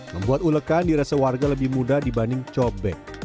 membuat ulekan dirasa warga lebih mudah dibanding cobek